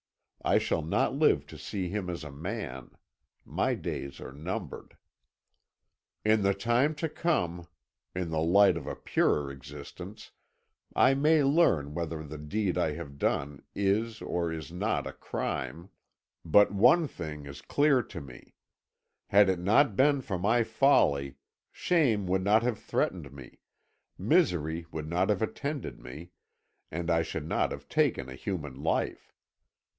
I shall not live to see him as a man; my days are numbered. "In the time to come in the light of a purer existence I may learn whether the deed I have done is or is not a crime. "But one thing is clear to me. Had it not been for my folly, shame would not have threatened me, misery would not have attended me, and I should not have taken a human life.